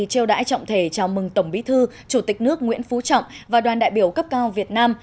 triều đãi trọng thể chào mừng tổng bí thư chủ tịch nước nguyễn phú trọng và đoàn đại biểu cấp cao việt nam